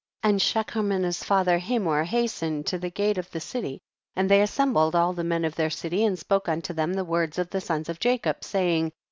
47. And Shechem and his father Hamor hastened to the gate of the city, and they assembled all the men of their city and spoke unto them the words of the sons of Jacob, saying, 48.